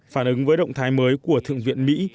phản ứng với động thái mới của thượng viện mỹ